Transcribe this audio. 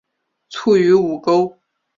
卒于午沟。